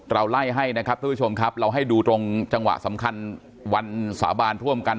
เราไล่ให้นะครับทุกผู้ชมครับเราให้ดูตรงจังหวะสำคัญวันสาบานร่วมกัน